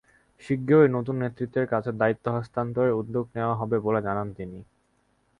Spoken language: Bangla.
শিগগিরই নতুন নেতৃত্বের কাছে দায়িত্ব হস্তান্তরের উদ্যোগ নেওয়া হবে বলে জানান তিনি।